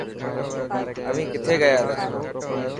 اوهين کٿي گسياتا؟